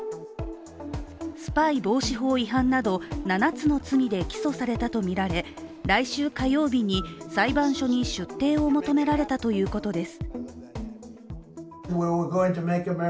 スパイ防止法違反など、７つの罪で起訴されたとみられ来週火曜日に裁判所に出廷を求められたということです。